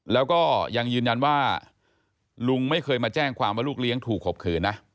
แล้วก็ยังยืนยันว่าลุงไม่เคยมาแจ้งความว่าลูกเลี้ยงถูกข่มขืนนะ